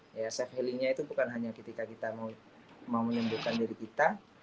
ya safe healingnya itu bukan hanya ketika kita mau menyembuhkan diri kita